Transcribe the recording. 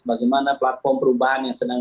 bagaimana platform perubahan yang sedang